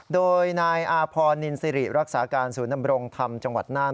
โดยนายอาพรนินสิริรักษาการศูนย์นำรงธรรมจังหวัดน่าน